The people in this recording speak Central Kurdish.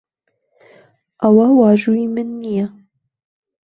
ئەوە واژووی من نییە.